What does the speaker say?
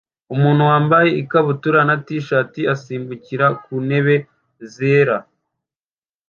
Umuntu wambaye ikabutura na t-shirt asimbukira ku ntebe zera